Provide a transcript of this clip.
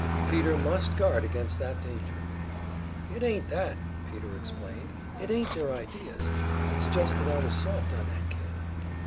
Peter must guard against that danger. "It ain't that," Peter explained. "It ain't their ideas. It's just that I was soft on that kid."